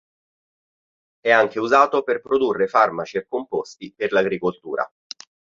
È anche usato per produrre farmaci e composti per l'agricoltura.